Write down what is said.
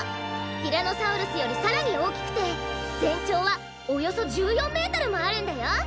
ティラノサウルスよりさらにおおきくてぜんちょうはおよそ１４メートルもあるんだよ！